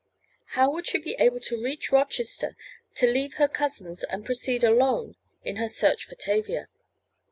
How would she be able to reach Rochester—to leave her cousins and proceed alone in her search for Tavia?